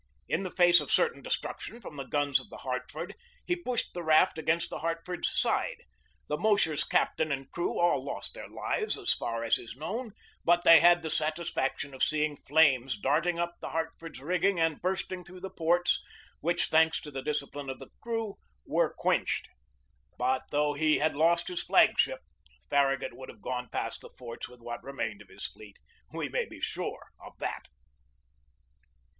In the face of certain destruction from the guns of the Hartford, he pushed the raft against the Hartford's side. The Mosher s captain and crew all lost their lives, as far as is known, but they had the satisfaction of seeing flames darting up the Hartford's rigging and burst ing through the ports, which, thanks to the disci pline of her crew, were quenched. But though he had lost his flag ship, Farragut would have gone past the forts with what remained of his fleet. We may be sure of that.